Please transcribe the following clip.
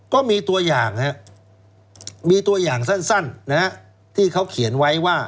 ก็มีตัวอย่างสั้นที่เขาเขียนไว้ว่า